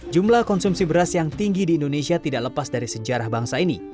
jumlah konsumsi beras yang tinggi di indonesia tidak lepas dari sejarah bangsa ini